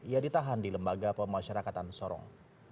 ia ditahan di lembaga pemasyarakatan sorong